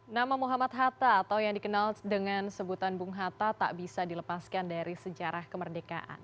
nama muhammad hatta atau yang dikenal dengan sebutan bung hatta tak bisa dilepaskan dari sejarah kemerdekaan